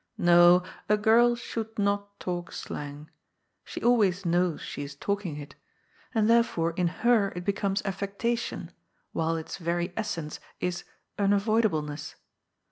No, a girl shonld not talk slang. She always knows she is talking it And therefore in her it becomes affectation, while its very essence is *' nnavoidableness."